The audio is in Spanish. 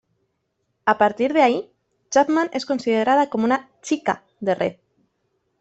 A partir de ahí, Chapman es considerada como una "chica" de Red.